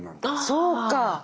そうか。